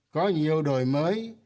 có nhiều đổi mới